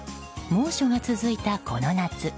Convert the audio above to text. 猛暑が続いたこの夏。